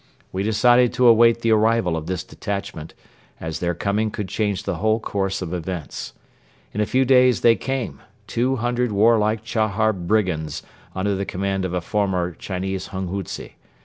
We decided to await the arrival of this detachment, as their coming could change the whole course of events. In a few days they came, two hundred warlike Chahar brigands under the command of a former Chinese hunghutze.